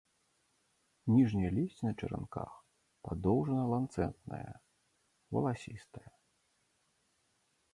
Ніжняе лісце на чаранках, падоўжана-ланцэтнае, валасістае.